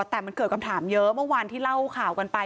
แต่มันเกิดคำถามเยอะเมื่อวานที่เล่าข่าวกันไป